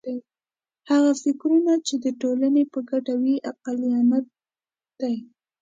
هغه فکرونه چې د ټولنې په ګټه وي عقلانیت دی.